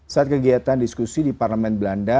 saat kegiatan diskusi di parlemen belanda